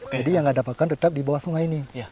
jadi yang tidak ada pakan tetap di bawah sungai ini